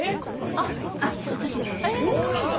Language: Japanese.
あっ父です。